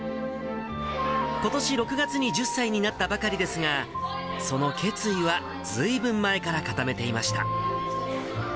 ことし６月に１０歳になったばかりですが、その決意はずいぶん前から固めていました。